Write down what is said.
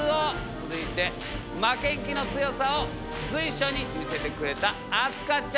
続いて負けん気の強さを随所に見せてくれた明日香ちゃん。